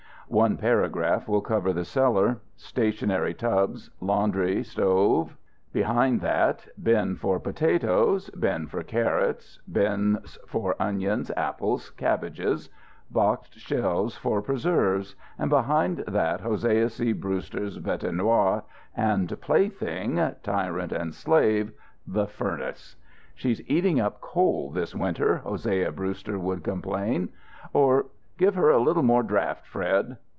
One paragraph will cover the cellar. Stationary tubs, laundry stove. Behind that, bin for potatoes, bin for carrots, bins for onions, apples, cabbages. Boxed shelves for preserves. And behind that Hosea C. Brewster's bête noir and plaything, tyrant and slave the furnace. "She's eating up coal this winter," Hosea Brewster would complain. Or: "Give her a little more draft, Fred."